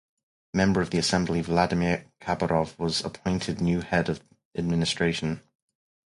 Member of the Assembly Vladimir Khabarov was appointed new head of administration.